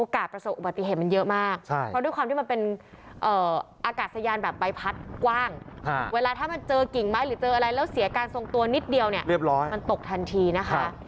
เกิดอะไรแล้วเสียการทรงตัวนิดเดียวมันตกทันทีนะคะ